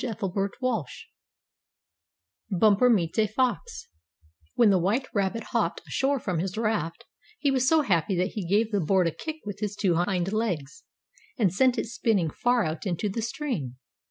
STORY XI BUMPER MEETS A FOX When the White Rabbit hopped ashore from his raft, he was so happy that he gave the board a kick with his two hind legs, and sent it spinning far out into the stream.